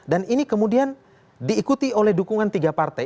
dan ini kemudian diikuti oleh dukungan tiga partai